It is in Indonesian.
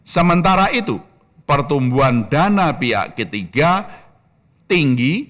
sementara itu pertumbuhan dana pihak ketiga tinggi